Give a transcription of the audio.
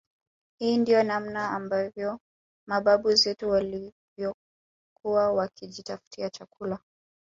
Hii ndio namna ambavyo mababu zetu walivyokuwa wakijitafutia chakula